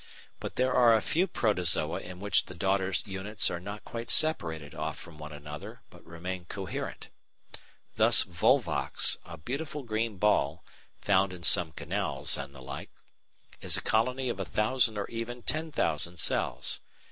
But there are a few Protozoa in which the daughter units are not quite separated off from one another, but remain coherent. Thus Volvox, a beautiful green ball, found in some canals and the like, is a colony of a thousand or even ten thousand cells.